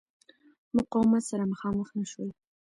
مقاومت سره مخامخ نه شول.